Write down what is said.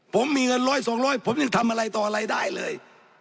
ผมมีเงินร้อยสองร้อยผมยังทำอะไรต่ออะไรได้เลย